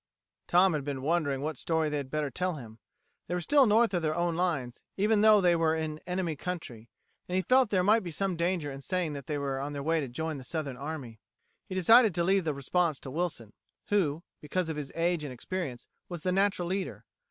Tom had been wondering what story they had better tell him. They were still north of their own lines, even though they were in enemy country, and he felt that there might be some danger in saying that they were on their way to join the Southern army. He decided to leave the response to Wilson, who, because of his age and experience, was the natural leader.